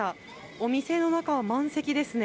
お店の中は満席ですね。